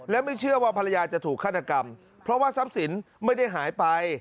และไม่เชื่อว่าภรรยาจะถูกฆาตกรรมเพราะว่าทรัพย์สินไม่ได้หายไป